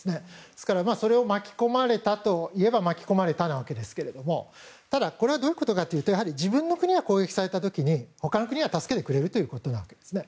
ですから、それを巻き込まれたといえば巻き込まれたわけですけどただ、これはどういうことかというと自分の国が攻撃された時に他の国が助けてくれるということなんですね。